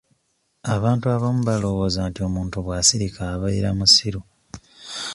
Abantu abamu balowooza nti omuntu bw'asirika abeera musiru.